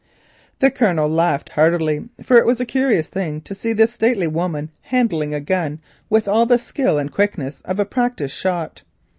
The Colonel laughed heartily, for it was a curious thing to see this stately woman handling a gun with all the skill and quickness of a practised shot.